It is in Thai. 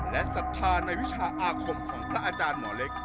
และศรัทธาในวิชาอาคมของพระอาจารย์หมอเล็ก